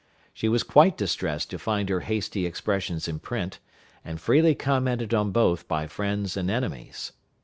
She was quite distressed to find her hasty expressions in print, and freely commented on both by friends and enemies.